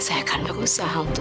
terima kasih tante